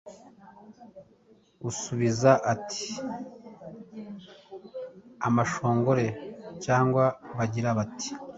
Usubiza ati: “Amashongore”. Cyangwa bagira bati: “